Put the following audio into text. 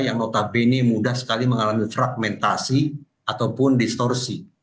yang notabene mudah sekali mengalami fragmentasi ataupun distorsi